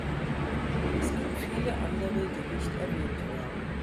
Es gibt viele andere, die nicht erwähnt werden.